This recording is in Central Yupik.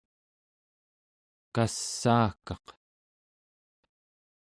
kassaakaq